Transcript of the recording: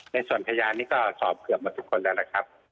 ในส่วนพยานนี้ก็สอบเกือบมาทุกคนแล้วนะครับ